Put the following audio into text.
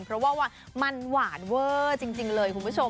เพราะว่ามันหวานเวอร์จริงเลยคุณผู้ชม